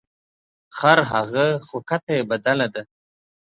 خرهغه خو کته یې بدله ده .